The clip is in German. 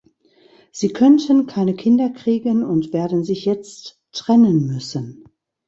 Sie könnten keine Kinder kriegen und werden sich jetzt trennen müssen.